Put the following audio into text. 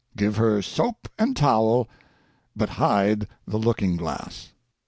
Give her soap and towel, but hide the looking glass.